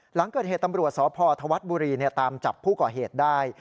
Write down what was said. หลังเกิดเหตุตำรวจสพธวัฒน์บุรีตามจับผู้ก่อเหตุได้